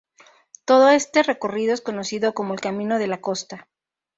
Todo este recorrido es conocido como el camino "de la costa".